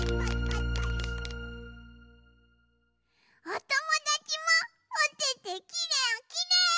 おともだちもおててきれいきれい！